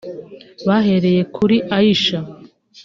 bahereye kuri “Aisha”